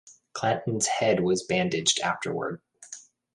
Clanton's head was bandaged afterward.